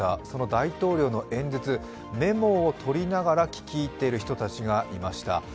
その大統領の演説、メモを取りながら聞き入ってる人たちがいました。